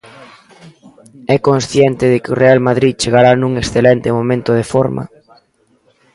E consciente de que o Real Madrid chegará nun excelente momento de forma.